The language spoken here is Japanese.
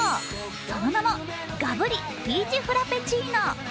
その名もＧＡＢＵＲＩピーチフラペチーノ。